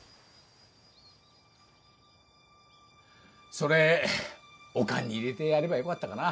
それお棺に入れてやればよかったかな。